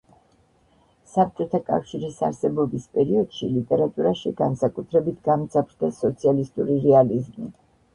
საბჭოთა კავშირის არსებობის პერიოდში ლიტერატურაში განსაკუთრებით გამძაფრდა სოციალისტური რეალიზმი.